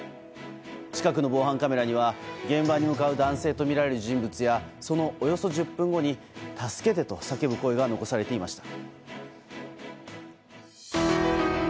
近くの防犯カメラには現場に向かう男性とみられる人物やそのおよそ１０分後に助けてと叫ぶ声が残されていました。